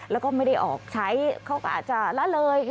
แล้วก็ไม่ได้ออกใช้เขาก็อาจจะละเลย